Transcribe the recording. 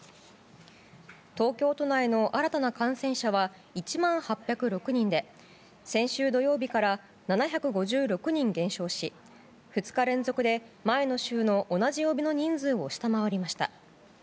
東京都内の新たな感染者は１万８０６人で先週土曜日から７５６人減少し２日連続で前の週の同じ曜日の人数を下回りました。